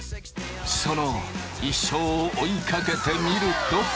その一生を追いかけてみると。